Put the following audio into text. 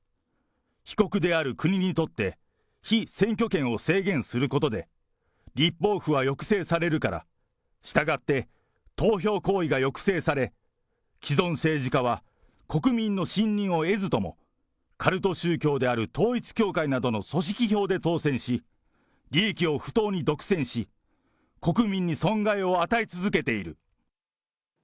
被告である国にとって被選挙権を制限することで、立法府は抑制されるから、したがって投票行為が抑制され、既存政治家は国民にしんにんを得ずとも、カルト宗教である統一教会などの組織票で当選し、利益を不当に独占し、国民に損害を与え続けている。